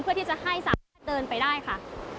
เพื่อที่จะให้สามารถเดินไปได้ค่ะ